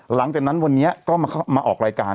หลังจากนั้นวันนี้ก็มาออกรายการ